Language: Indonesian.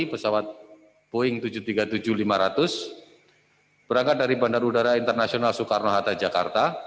pesawat boeing tujuh ratus tiga puluh tujuh lima ratus berangkat dari bandara udara internasional soekarno hatta jakarta